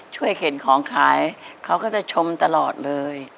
เข็นของขายเขาก็จะชมตลอดเลย